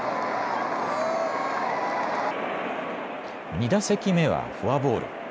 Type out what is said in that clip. ２打席目はフォアボール。